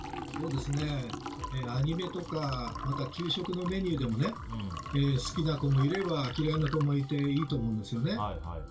アニメとかまた給食のメニューでも好きな子もいれば嫌いな子もいていいと思うんですね。